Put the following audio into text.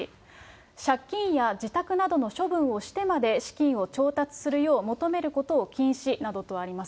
借金や自宅などの処分をしてまで資金を調達するよう求めることを禁止などとあります。